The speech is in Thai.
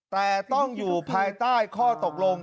แต่ต้องอยู่ภายใต้ข้อตกลง